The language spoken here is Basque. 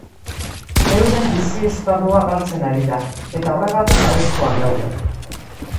Euren bizi-esparrua galtzen ari da, eta horregatik arriskuan daude.